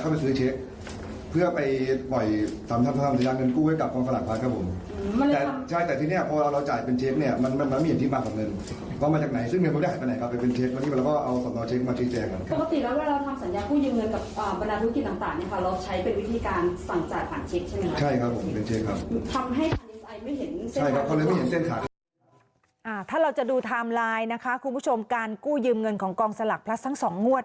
ถ้าเราจะไทม์ไลน์นะคะคุณผู้ชมการกู้ยืมเงินของกองสลักพลัสทั้ง๒งวด